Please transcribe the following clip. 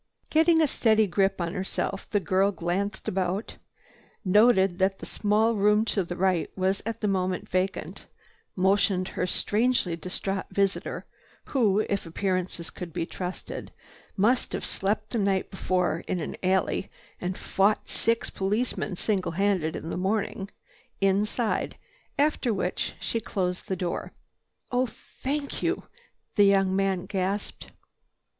Getting a steady grip on herself, the girl glanced about, noted that the small room to the right was at that moment vacant, motioned her strangely distraught visitor—who, if appearances could be trusted, must have slept the night before in an alley and fought six policemen single handed in the morning—inside, after which she closed the door. "Than—oh thank you!" the young man gasped.